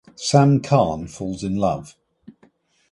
Sam Carne falls in love.